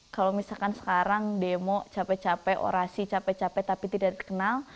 kalau misalkan sekarang demo capek capek orasi capek capek tapi tidak dikenal